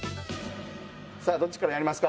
さあ、どっちからやりますか。